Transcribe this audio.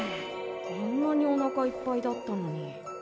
あんなにおなかいっぱいだったのに。